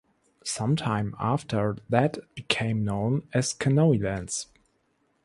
Some time after that it became known as "Canoelands".